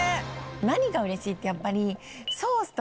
何がうれしいってやっぱり。